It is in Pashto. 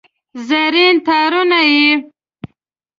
زرین تارونه یې